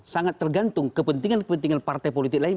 sangat tergantung kepentingan kepentingan partai politik lain